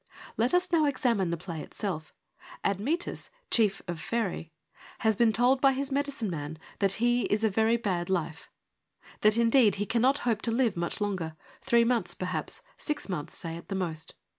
Let us now examine the play itself. Admetus, chief of Pherae, has been told by his medicine man that he is a very bad life : that, indeed, he cannot hope to live much longer — three months, perhaps ; six months, say, at the most.